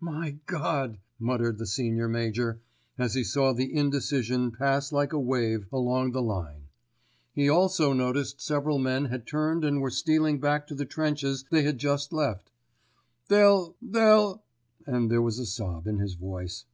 "My God!" muttered the Senior Major, as he saw the indecision pass like a wave along the line; he also noticed several men had turned and were stealing back to the trenches they had just left. "They'll—they'll——" and there was a sob in his voice.